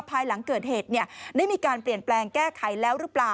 ภายหลังเกิดเหตุได้มีการเปลี่ยนแปลงแก้ไขแล้วหรือเปล่า